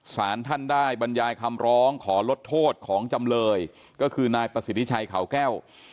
สารท่านได้บรรยายคำร้องขอลดโทษของจำเลยก็คือนายประสิทธิชัยเขาแก้ว